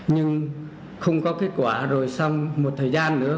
nhưng không có kết quả rồi xong một thời gian nữa